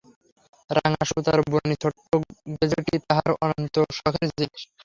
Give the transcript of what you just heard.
রাঙা সুতার বুনানি ছোট্ট গেজেটি-তাহার অত্যন্ত শখের জিনিস।